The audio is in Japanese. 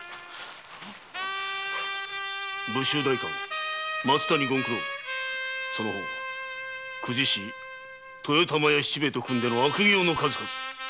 武州代官・松谷権九郎その方公事師・豊玉屋七兵衛と組んでの悪行の数々。